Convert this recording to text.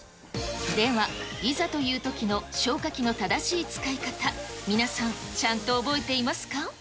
ではいざというときの消火器の正しい使い方、皆さん、ちゃんと覚えていますか。